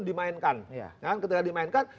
di mainkan kan ketika di mainkan